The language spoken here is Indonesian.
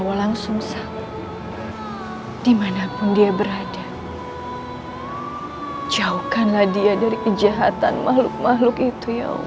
walang sungsang dimanapun dia berada jauhkanlah dia dari kejahatan makhluk makhluk itu ya allah